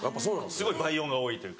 すごい倍音が多いというか。